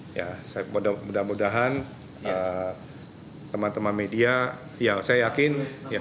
saya mudah mudahan teman teman media saya yakin